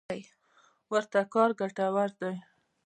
ورته کار ګټور دی.